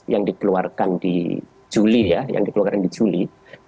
yang dikeluarkan di juli ya yang dikeluarkan di juli